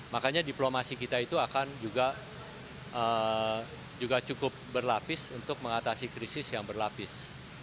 makanya diplomasi kita itu akan juga cukup berlapis untuk mengatasi krisis yang berlapis